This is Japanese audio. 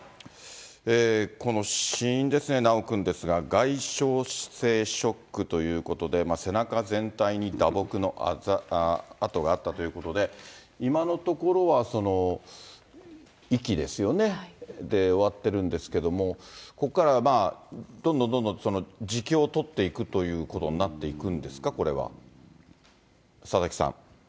この死因ですね、修くんですが、外傷性ショックということで、背中全体に打撲の痕があったということで、今のところはいきですよね、で、終わってるんですけれども、ここからはどんどんどんどん自供を取っていくということになっていくんですか、これは、佐々木さん。